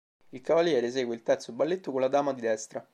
Il cavaliere esegue il terzo balletto con la dama di destra.